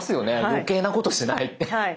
余計なことしない。